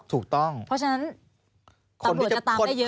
เพราะฉะนั้นตำรวจจะตามได้เยอะก็คือ